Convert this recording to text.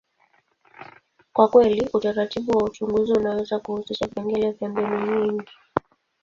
kwa kweli, utaratibu wa uchunguzi unaweza kuhusisha vipengele vya mbinu nyingi.